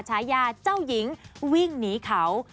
ฉายาเจ้าหญิงวิ่งหนีเขา